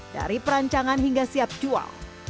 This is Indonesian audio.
dari perancangan hingga siap jual